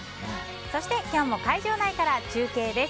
そして今日も会場内から中継です。